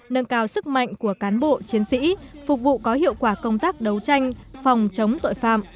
nâng cao sức mạnh của cán bộ chiến sĩ phục vụ có hiệu quả công tác đấu tranh phòng chống tội phạm